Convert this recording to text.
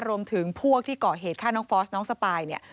รวมถึงพวกที่เกาะเหตุฆ่าน้องฟอสน้องสปายเนี่ย